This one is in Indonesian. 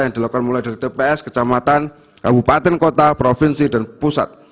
yang dilakukan mulai dari tps kecamatan kabupaten kota provinsi dan pusat